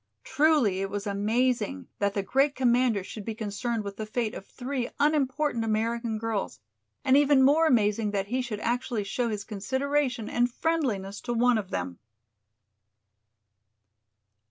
Truly it was amazing that the great commander should be concerned with the fate of three unimportant American girls, and even more amazing that he should actually show his consideration and friendliness to one of them!